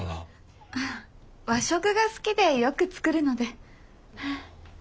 和食が好きでよく作るので。